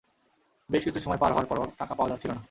কিন্তু বেশ কিছু সময় পার হওয়ার পরও টাকা পাওয়া যাচ্ছিল না।